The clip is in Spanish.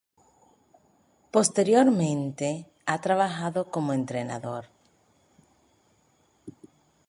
Posteriormente, ha trabajado como entrenador.